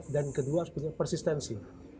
dan kedua harus punya persistensi